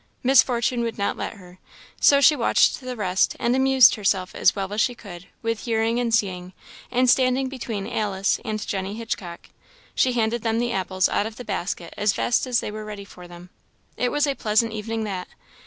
Miss Fortune would not let her; so she watched the rest and amused herself as well as she could with hearing and seeing; and standing between Alice and Jenny Hitchcock, she handed them the apples out of the basket as fast as they were ready for them. It was a pleasant evening that.